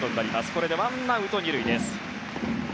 これでワンアウト２塁です。